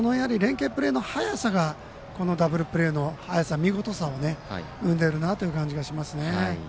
その連係プレーの早さがダブルプレーの早さ見事さを生んでいるなという感じがします。